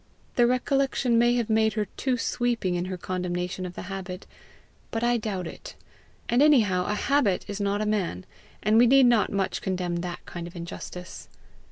The recollection may have made her too sweeping in her condemnation of the habit, but I doubt it; and anyhow a habit is not a man, and we need not much condemn that kind of injustice.